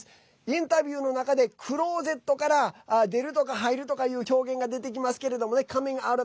インタビューの中でクローゼットから出るとか入るとかいう表現が出てきますけれどもね